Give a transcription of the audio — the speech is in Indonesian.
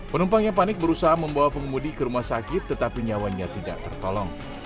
penumpang yang panik berusaha membawa pengemudi ke rumah sakit tetapi nyawanya tidak tertolong